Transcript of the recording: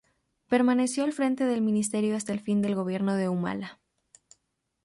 Permaneció al frente del Ministerio hasta el fin del gobierno de Humala.